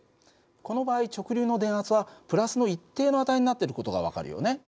この場合直流の電圧はプラスの一定の値になっている事が分かるよね。